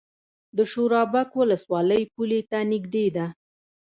د شورابک ولسوالۍ پولې ته نږدې ده